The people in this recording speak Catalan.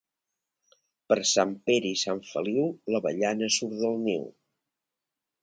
Per Sant Pere i Sant Feliu l'avellana surt del niu.